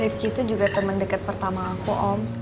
rifqi itu juga temen deket pertama aku om